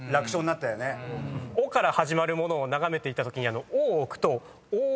「お」から始まるものを眺めていたときに。